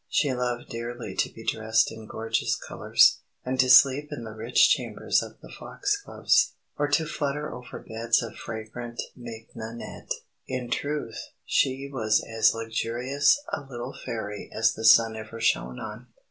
She loved dearly to be dressed in gorgeous colours, and to sleep in the rich chambers of the Foxgloves, or to flutter over beds of fragrant Mignonette. In truth, she was as luxurious a little Fairy as the sun ever shone on.